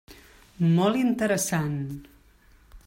Molt interessant.